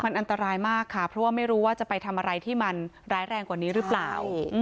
มันอันตรายมากค่ะเพราะว่าไม่รู้ว่าจะไปทำอะไรที่มันร้ายแรงกว่านี้หรือเปล่า